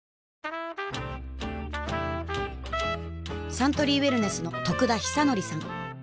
サントリーウエルネスの得田久敬さん